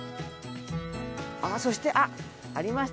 そしてあっありました。